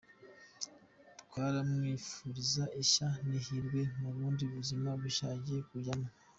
Turamwifuriza ishya n’ihirwe mu bundi buzima bushya agiye kujyamo.